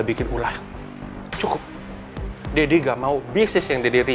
bisnismen yang paling hebat di seluruh indonesia